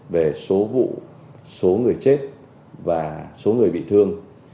về số vụ số người chết và số người bị thương